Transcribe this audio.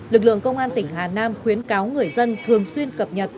lực lượng công an tỉnh hà nam khuyến cáo người dân thường xuyên cập nhật